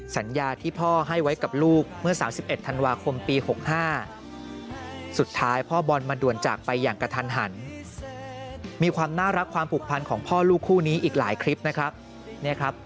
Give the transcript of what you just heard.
สัญญาที่พ่อให้ไว้กับลูกเมื่อ๓๑ธันวาคมปี๖๕สุดท้ายพ่อบอลมาด่วนจากไปอย่างกระทันหันมีความน่ารักความผูกพันของพ่อลูกคู่นี้อีกหลายคลิปนะครับ